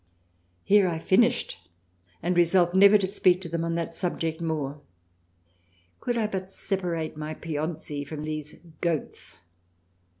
Here I finished and resolved never to speak to them upon that subject more — Could I but separate my Piozzi from these goats